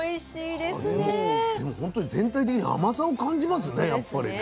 でも本当に全体的に甘さを感じますねやっぱりね。